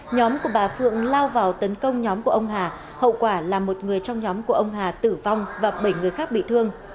nhóm của bà phượng lao vào tấn công nhóm của ông hà hậu quả là một người trong nhóm của ông hà tử vong và bảy người khác bị thương